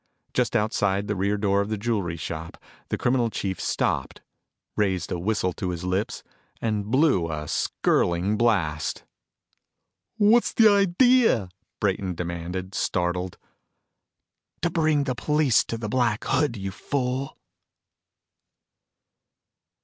Just outside the rear door of the jewelry shop, the criminal chief stopped, raised a whistle to his lips, and blew a skirling blast. "What's the idea?" Brayton demanded, startled. "To bring the police for the Black Hood, you fool!"